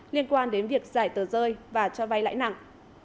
liên quan đến việc giải tờ rơi và cho vay lãi nặng